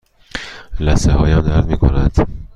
لثه هایم درد می کنند.